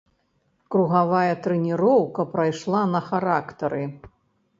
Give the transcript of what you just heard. Кругавая трэніроўка прайшла на характары.